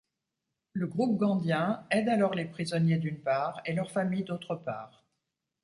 Le groupe gandhien aide alors les prisonniers d'une part et leurs familles d'autre part.